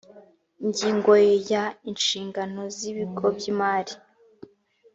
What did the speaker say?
ingingo ya ishingano z ibigo by imari